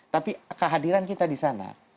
tapi kehadiran kita di sana